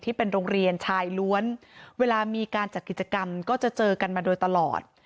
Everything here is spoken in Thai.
ที่เป็นโรงเรียนชายล้วนเวลามีการจัดกิจกรรมก็จะเจอกันมาโดยตลอด